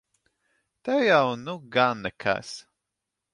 Tev jau nu gan nekas!